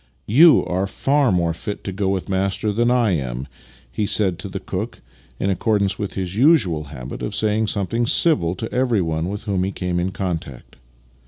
" Yon are far more fit to go with the master than I am," he said to the cook, in accordance with his usual habit of saying something civil to everyone with whom he came in contact.